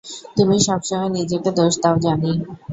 তুমি সবসময়ে নিজেকে দোষ দাও, জানি।